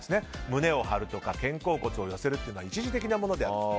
胸を張るとか肩甲骨を寄せるというのは一時的なものであると。